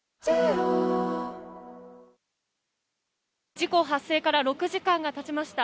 事故発生から６時間が経ちました。